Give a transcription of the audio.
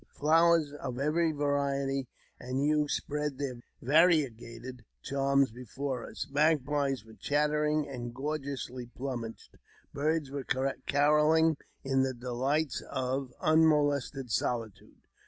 Flowers of every variety and hue spread their variegated charms before us ; magpies were chattering, and gorgeously plumaged birds were carolling in the delights of unmolested solitude.